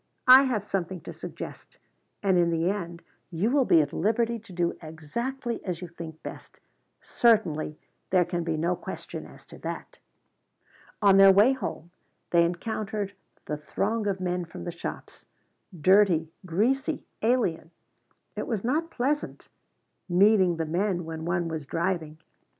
I have something to suggest. And in the end you will be at liberty to do exactly as you think best. Certainly there can be no question as to that." On their way home they encountered the throng of men from the shops dirty, greasy, alien. It was not pleasant meeting the men when one was driving.